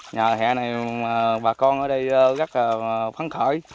nhà hẹn này bà con ở đây rất phấn khởi